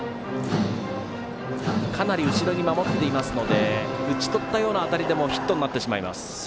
かなり後ろに守っていますので打ち取ったような当たりでもヒットになってしまいます。